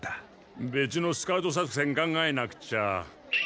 べつのスカウト作戦考えなくちゃ。